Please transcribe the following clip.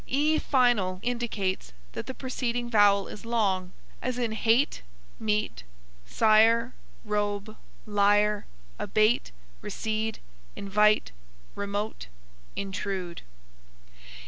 E final indicates that the preceding vowel is long; as in hate, mete, sire, robe, lyre, abate, recede, invite, remote, intrude.